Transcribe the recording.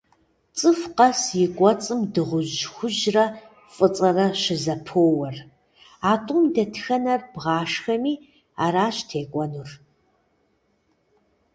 Цӏыху къэс и кӏуэцӏым дыгъужь хужьрэ фӏыцӏэрэ щызэпоуэр. А тӏум дэтхэнэр бгъашхэми, аращ текӏуэнур.